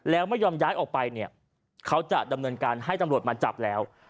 แล้วไม่ยอมย้ายออกไปเนี่ยเขาจะดำเนินการให้ตำรวจมาจับแล้ว